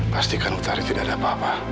pastikan mencari tidak ada apa apa